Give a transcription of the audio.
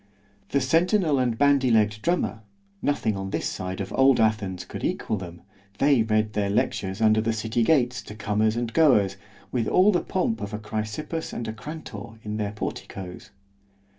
The centinel and bandy legg'd drummer!——nothing on this side of old Athens could equal them! they read their lectures under the city gates to comers and goers, with all the pomp of a Chrysippus and a Crantor in their porticos.